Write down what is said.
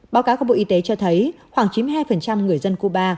báo cáo của bộ y tế cho thấy khoảng chín mươi hai người dân cuba